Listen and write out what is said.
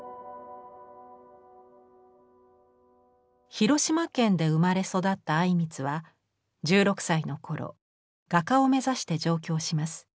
広島県で生まれ育った靉光は１６歳の頃画家を目指して上京します。